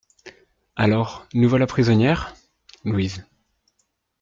Alors, nous voilà prisonnières ? LOUISE.